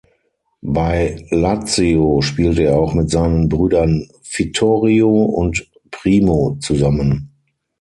Bei Lazio spielte er auch mit seinen Brüdern Vittorio und Primo zusammen.